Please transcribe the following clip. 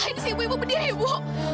ibu ibu ngapain sih ibu berdiri ibu